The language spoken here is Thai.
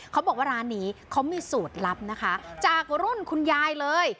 เขาบอกว่าร้านนี้เขามีสูตรลับนะคะจากรุ่นคุณยายเลย